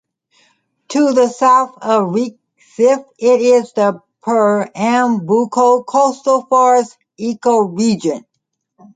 To the south of Recife it is the Pernambuco coastal forests ecoregion.